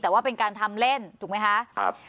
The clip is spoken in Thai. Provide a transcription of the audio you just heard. แต่ว่าเป็นการทำเล่นถูกไหมคะ